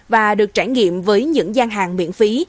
và được trải nghiệm với những gian hàng miễn phí